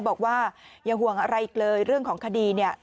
บอกว่าอย่าห่วงอะไรอีกเลยเรื่องของคดีเนี่ย